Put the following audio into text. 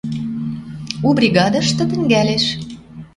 У бригадышты тӹнгӓлеш.